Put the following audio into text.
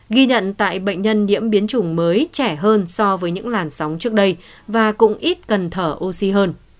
ghi nhận tại bệnh nhân nhiễm biến chủng mới trẻ hơn so với những làn sóng trước đây và cũng ít cần thở oxy hơn